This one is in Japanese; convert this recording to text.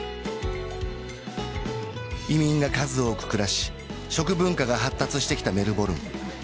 移民が数多く暮らし食文化が発達してきたメルボルン